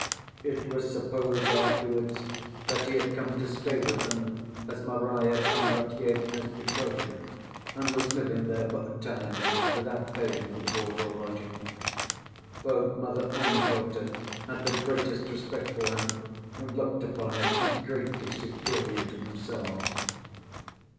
It was supposed afterwards that he had come to stay with them as Marya Kondratyevna's betrothed, and was living there for a time without paying for board or lodging. Both mother and daughter had the greatest respect for him and looked upon him as greatly superior to themselves.